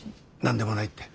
何でもないって。